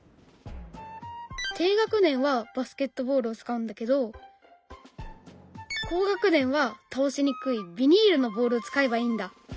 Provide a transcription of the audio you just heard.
低学年はバスケットボールを使うんだけど高学年は倒しにくいビニールのボールを使えばいいんだ。